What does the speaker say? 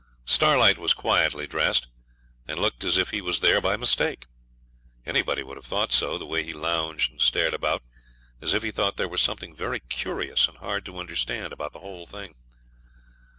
Starlight was quietly dressed, and looked as if he was there by mistake. Anybody would have thought so, the way he lounged and stared about, as if he thought there was something very curious and hard to understand about the whole thing.